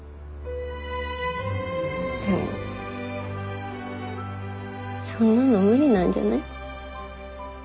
でもそんなの無理なんじゃない？